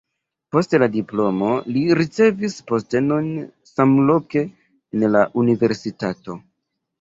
Post la diplomo li ricevis postenon samloke en la universitato.